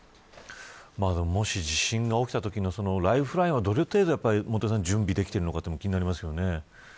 もし地震が起きたときのライフラインはどの程度準備できているのか気になりますがね。